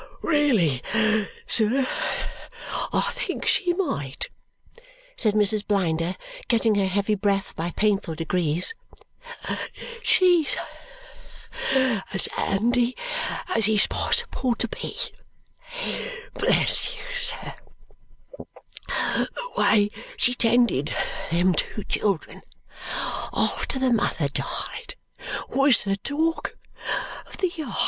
"Really, sir, I think she might," said Mrs. Blinder, getting her heavy breath by painful degrees. "She's as handy as it's possible to be. Bless you, sir, the way she tended them two children after the mother died was the talk of the yard!